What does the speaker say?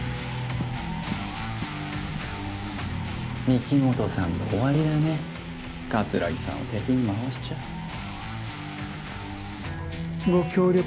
御木本さんも終わりだね桂木さんを敵に回しちゃご協力